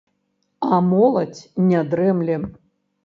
А моладзь не дрэмле.